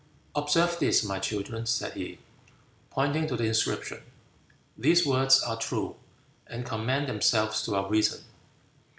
"Observe this, my children," said he, pointing to the inscription. "These words are true, and commend themselves to our reason."